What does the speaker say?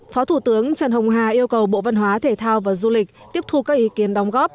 phó thủ tướng trần hồng hà yêu cầu bộ văn hóa thể thao và du lịch tiếp thu các ý kiến đóng góp